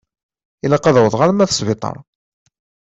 Ilaq ad awḍeɣ alma d sbiṭar.